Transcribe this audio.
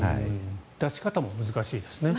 出し方も難しいですね。